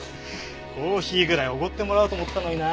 コーヒーぐらいおごってもらおうと思ったのにな。